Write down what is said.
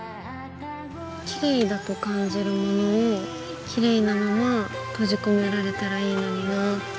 きれいだと感じるものをきれいなまま閉じ込められたらいいのになぁって。